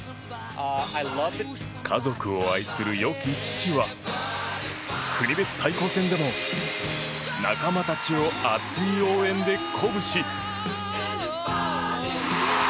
家族を愛する良き父は国別対抗戦でも仲間たちを熱い応援で鼓舞し。